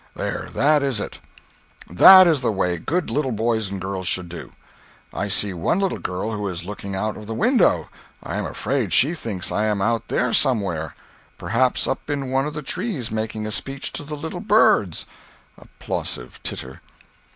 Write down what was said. There—that is it. That is the way good little boys and girls should do. I see one little girl who is looking out of the window—I am afraid she thinks I am out there somewhere—perhaps up in one of the trees making a speech to the little birds. [Applausive titter.